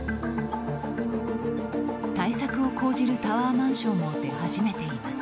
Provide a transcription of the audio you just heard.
対策を講じるタワーマンションも出始めています。